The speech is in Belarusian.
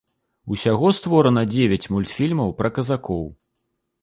Усяго створана дзевяць мультфільмаў пра казакоў.